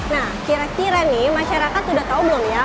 nah kira kira nih masyarakat sudah tahu belum ya